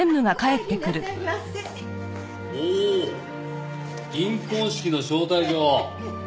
おお銀婚式の招待状。